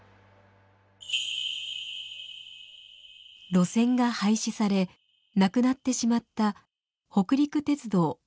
路線が廃止されなくなってしまった北陸鉄道加賀一の宮駅。